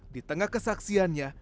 di tengah kesaksiannya